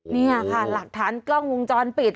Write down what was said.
นี่ค่ะหลักฐานกล้องวงจรปิด